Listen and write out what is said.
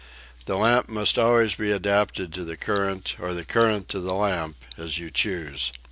The lamp must always be adapted to the current or the current to the lamp, as you choose.